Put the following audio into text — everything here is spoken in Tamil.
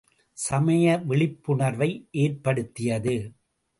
சமய விழிப்புணர்வை ஏற்படுத்தியது.